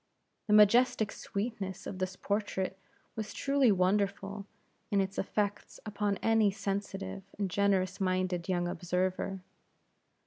The majestic sweetness of this portrait was truly wonderful in its effects upon any sensitive and generous minded young observer.